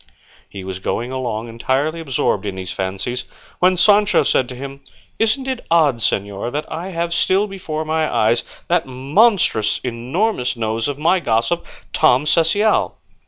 He was going along entirely absorbed in these fancies, when Sancho said to him, "Isn't it odd, señor, that I have still before my eyes that monstrous enormous nose of my gossip, Tom Cecial?"